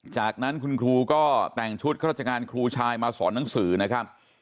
จากนั้นคุณครูก็แต่งชุดข้าราชการครูชายมาสอนหนังสือนะครับ